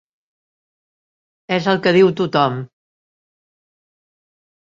És el que diu tothom.